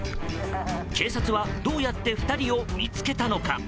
警察はどうやって２人を見つけたのか。